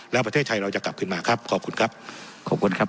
แล้วประเทศไทยเราจะกลับขึ้นมาครับขอบคุณครับขอบคุณครับ